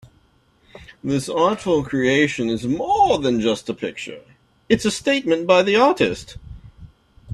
This artful creation is more than just a picture, it's a statement by the artist.